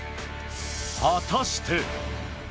果たして。